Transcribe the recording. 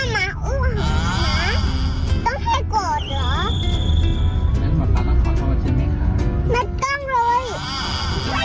ไม่ต้องเลย